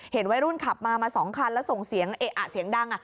เห็นวัยรุ่นขับมา๒คันแล้วส่งเสียงดัง